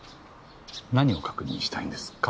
何を確認したいんですか？